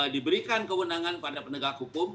diberikan kewenangan pada penegak hukum